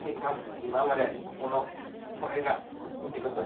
今までここの骨が見てください